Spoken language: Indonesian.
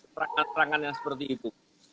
perangkat perangkat yang seperti itu